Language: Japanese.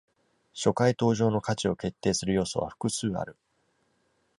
初回登場の価値を決定する要素は複数ある。